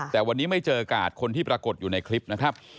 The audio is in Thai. แต่วันนี้ไม่เจอกาดคนที่ปรากฏอยู่ในคลิปนะครับ